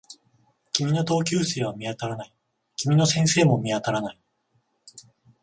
君の同級生は見当たらない。君の先生も見当たらない